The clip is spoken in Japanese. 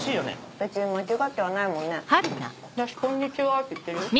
私「こんにちは」って言ってるよ。